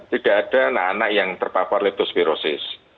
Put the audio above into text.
tidak ada anak anak yang terpapar leptospirosis